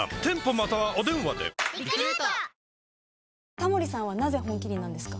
タモリさんはなぜ「本麒麟」なんですか？